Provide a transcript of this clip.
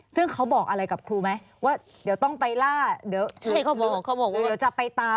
ซึ่งเขาบอกอะไรกับครูไหมว่าเดี๋ยวต้องไปล่าเดี๋ยวจะไปตาม